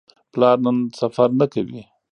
پلار نن سفر نه کوي.